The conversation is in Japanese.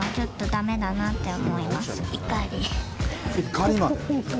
怒りまで。